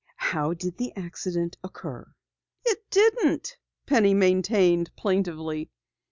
"How did the accident occur?" "It didn't," Penny maintained plaintively.